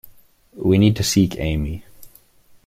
We need to seek Amy.